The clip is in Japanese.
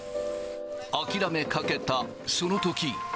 諦めかけたそのとき。